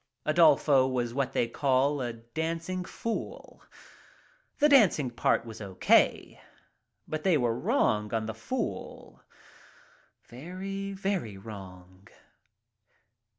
Adolfo was what they call a dancing The 'dancing' part was okay, but they were wrong on the 'fool/ Very, very wrong.